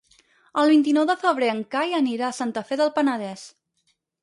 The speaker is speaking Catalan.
El vint-i-nou de febrer en Cai anirà a Santa Fe del Penedès.